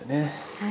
はい。